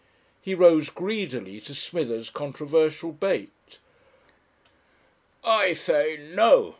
He rose greedily to Smithers' controversial bait. "I say no!"